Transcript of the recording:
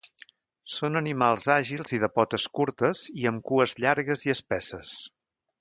Són animals àgils i de potes curtes, i amb cues llargues i espesses.